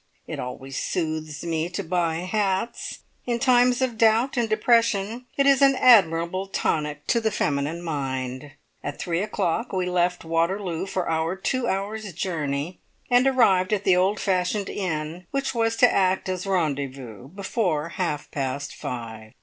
It always soothes me to buy hats. In times of doubt and depression it is an admirable tonic to the feminine mind. At three o'clock we left Waterloo for our two hours' journey, and arrived at the old fashioned inn, which was to act as rendezvous, before half past five.